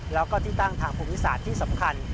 แล้วก็ที่ตั้งทางภูมิศาสตร์ที่สำคัญ